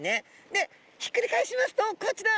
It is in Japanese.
でひっくり返しますとこちら！